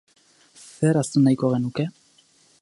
Zer ahaztu nahiko genuke?